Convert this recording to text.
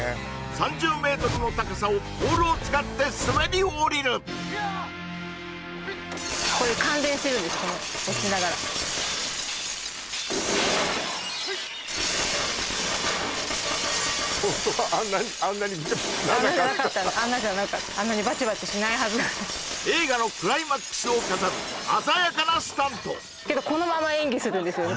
３０ｍの高さをポールを使って滑り降りるこの落ちながらホントはあんなにあんなじゃなかったあんなにバチバチしないはずだった映画のクライマックスを飾る鮮やかなスタントけどこのまま演技するんですよね